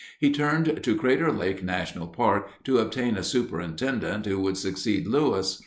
He turned to Crater Lake National Park to obtain a superintendent who would succeed Lewis.